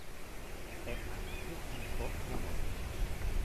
È anche un po' 'monotono.